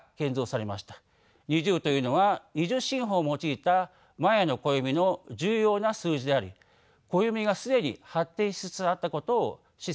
２０というのは２０進法を用いたマヤの暦の重要な数字であり暦が既に発展しつつあったことを示唆します。